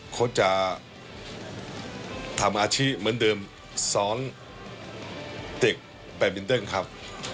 เขาจะทำอาชีพเหมือนเดิมสอนเด็กแบบวินเติ้งครับ